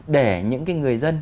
để những người dân